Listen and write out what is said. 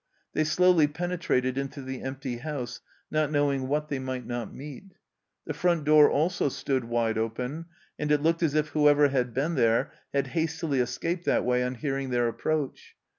They slowly pene trated into the empty house, not knowing what they might not meet. The front door also stood wide open, and it looked as if whoever had been there had hastily escaped that way on hearing their approach.